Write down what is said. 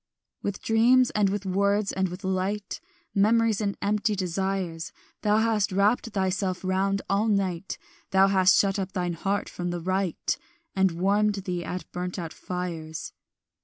"With dreams and with words and with light Memories and empty desires Thou hast wrapped thyself round all night; Thou hast shut up thine heart from the right, And warmed thee at burnt out fires.